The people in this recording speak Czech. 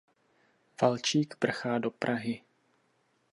Valčík prchá do Prahy.